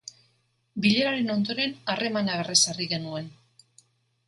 Bileraren ondoren harremana berrezarri genuen.